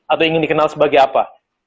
atau ingin dikenal sebagai apa